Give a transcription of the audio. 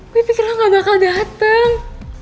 gue pikir lo gak bakal datang